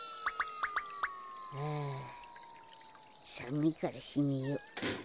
ああさむいからしめよ。